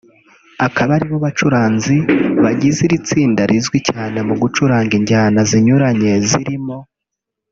akaba aribo bacuranzi bagize iri tsinda rizwi cyane mu gucuranga injyana zinyuranye zirimo